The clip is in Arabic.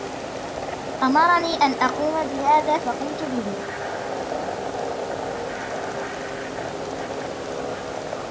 أمرني أن أقوم بهذا، فقمت به.